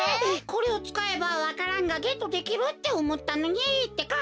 これをつかえばわか蘭がゲットできるっておもったのにってか！